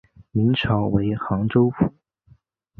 明朝为杭州府。